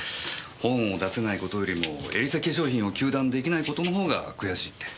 本を出せない事よりもエリセ化粧品を糾弾できない事のほうが悔しいって。